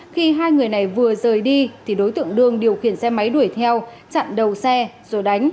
khi hai người này vừa rời đi thì đối tượng đương điều khiển xe máy đuổi theo chặn đầu xe rồi đánh